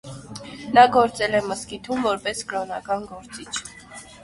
Նա գործել է մզկիթում որպես կրոնական գործիչ։